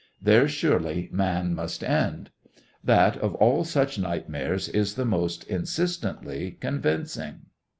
There surely man must end. That of all such nightmares is the most insistently convincing.